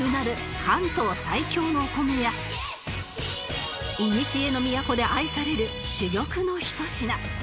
関東最強のお米やいにしえの都で愛される珠玉のひと品